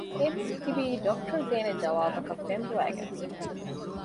އެމީހުން ތިބީ ޑޮކުޓަރު ދޭނެ ޖަވާބަކަށް ފެންބޮވައިގެން ފަ